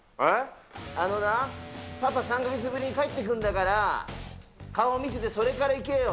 あのな、パパ、３か月ぶりに帰ってくるんだから、顔見せて、それから行けよ。